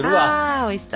あおいしそう。